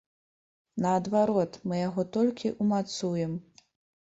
Наадварот, мы яго толькі ўмацуем.